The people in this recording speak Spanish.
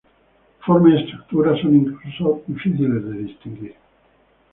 Forma y estructura son incluso difíciles de distinguir.